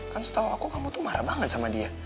kan setahu aku kamu tuh marah banget sama dia